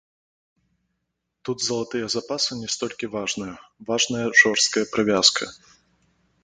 Тут залатыя запасы не столькі важныя, важная жорсткая прывязка.